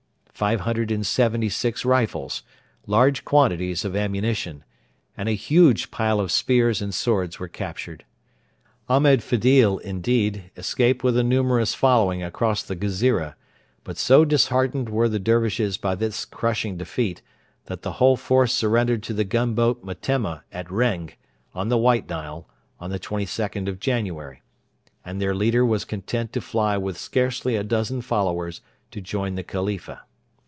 Five hundred and seventy six rifles, large quantities of ammunition, and a huge pile of spears and swords were captured. Ahmed Fedil, indeed, escaped with a numerous following across the Ghezira, but so disheartened were the Dervishes by this crushing defeat that the whole force surrendered to the gunboat Metemma at Reng, on the White Nile, on the 22nd of January, and their leader was content to fly with scarcely a dozen followers to join the Khalifa.